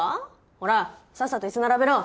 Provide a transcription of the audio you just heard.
ほらさっさと椅子並べろ。